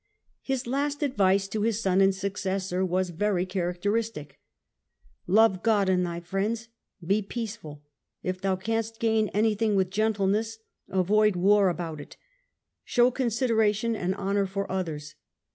His last advice to his son and successor was very characteristic : "Love Death of God and thy friends, be peaceful ; if thou canst gain Charles IV. ^j^yj.]^^j^g ^j^jj gentleness, avoid war about it. Show consideration and honour for others.